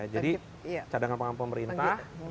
jadi cadangan pemerintah